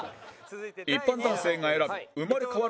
一般男性が選ぶ生まれ変わるならこの男